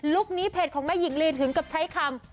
คนี้เพจของแม่หญิงลีนถึงกับใช้คำ